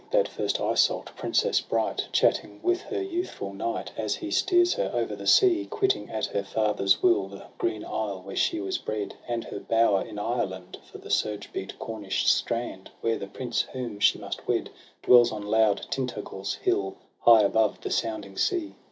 That first Iseult, princess bright, Chatting with her youthful knight As he steers her o'er the sea, Quitting at her father's will The green isle where she was bred, And her bower in Ireland, For the surge beat Cornish strand; Where the prince whom she must wed Dwells on loud Tyntagel's hill, High above the sounding sea.